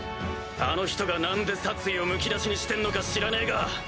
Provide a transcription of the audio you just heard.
あの人が何で殺意をむき出しにしてんのか知らねえが。